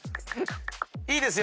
いいですよ。